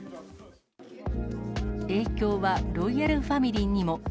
影響はロイヤルファミリーにも。